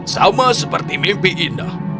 sama seperti mimpi indah